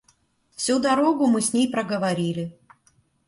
Всю дорогу мы с ней проговорили.